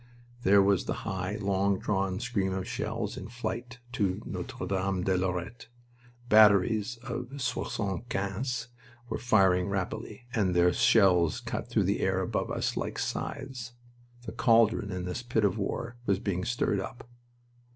There was the high, long drawn scream of shells in flight to Notre Dame de Lorette. Batteries of soixante quinzes were firing rapidly, and their shells cut through the air above us like scythes. The caldron in this pit of war was being stirred up.